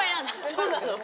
そうなの。